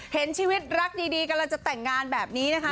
เห็นชีวิตรักดีกำลังจะแต่งงานแบบนี้นะคะ